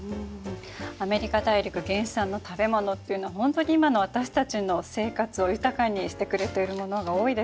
アメリカ大陸原産の食べ物っていうのはほんとに今の私たちの生活を豊かにしてくれているものが多いですね。